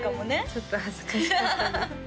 ちょっと恥ずかしかったです